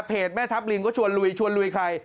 แม่ทัพลิงก็ชวนลุยชวนลุยใคร